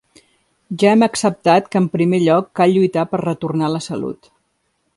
Ja hem acceptat que en primer lloc cal lluitar per retornar la salut.